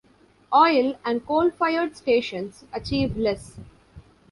Oil- and coal-fired stations achieve less.